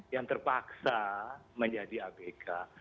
yang terpaksa menjadi abk